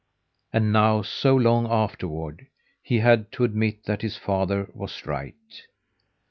And now, so long afterward, he had to admit that his father was right.